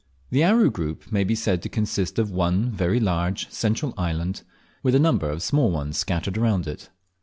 The Aru group may be said to consist of one very large central island with a number of small ones scattered round it.